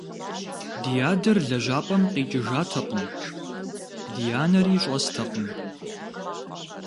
Ди адэр лэжьапӀэм къикӀыжатэкъым, ди анэри щӀэстэкъым.